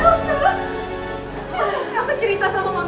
oh mungkin elsa sengaja kali supaya aku langsung masuk